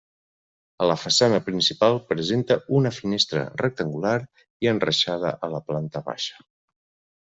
A la façana principal presenta una finestra rectangular i enreixada a la planta baixa.